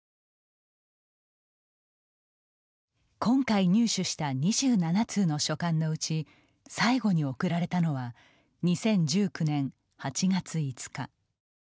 今回、入手した２７通の書簡のうち最後に送られたのは２０１９年８月５日。